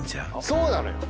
そうなのよ！